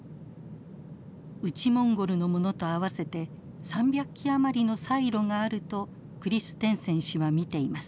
内モンゴルのものと合わせて３００基余りのサイロがあるとクリステンセン氏は見ています。